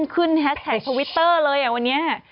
ขึ้นแฮทแทคทวิตเตอร์เลยอ่ะวันเนี้ย